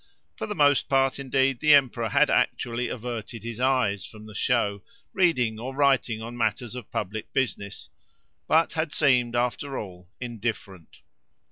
For the most part indeed, the emperor had actually averted his eyes from the show, reading, or writing on matters of public business, but had seemed, after all, indifferent.